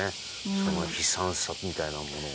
その悲惨さみたいなものを。